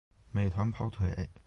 美团跑腿